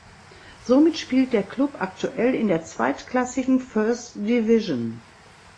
Somit spielt der Klub aktuell in der zweitklassigen First Division.